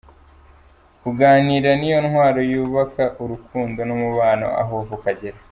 Kuganira niyo ntwaro yubaka urukundo n’umubano aho uva ukagera.